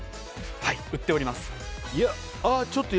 はい、売っております。